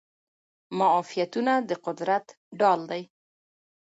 معافیتونه د قدرت ډال دي.